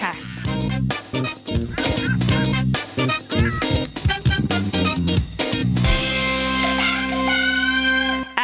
ค่ะ